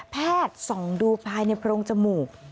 แพทย์ส่องดูภายในโปรงจมูก